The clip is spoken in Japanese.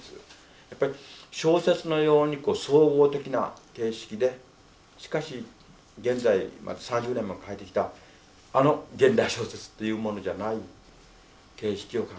やっぱり小説のように総合的な形式でしかし現在まで３０年も書いてきたあの現代小説というものじゃない形式を考えたいと思ってるんですね。